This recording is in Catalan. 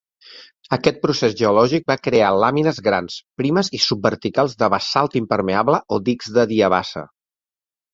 Aquest procés geològic va crear làmines grans, primes i subverticals de basalt impermeable o dics de diabasa.